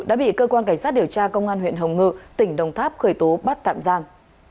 đã bị cơ quan cảnh sát điều tra công an huyện hồng ngự tỉnh đồng tháp khởi tố bắt tạm giam